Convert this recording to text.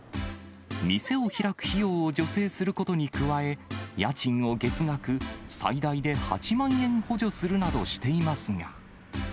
店を開く費用を助成することに加え、家賃を月額最大で８万円補助するなどしていますが。